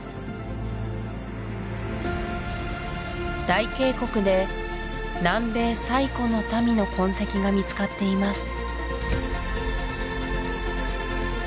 大渓谷で南米最古の民の痕跡が見つかっています